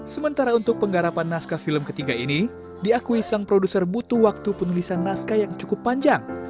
sementara untuk penggarapan naskah film ketiga ini diakui sang produser butuh waktu penulisan naskah yang cukup panjang